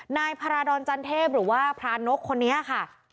นายพาราดรจันเทพหรือว่าพระนกคนนี้ค่ะ